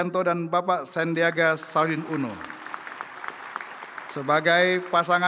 terima kasih ta